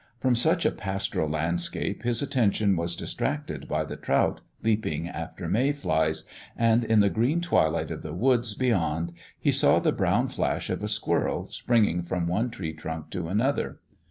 From such a pastoral land scape his attention was distracted by the trout leaping after May flies, and in the green twilight of the woods beyond he saw the brown flash of a squirrel springing from one tree trunk to another.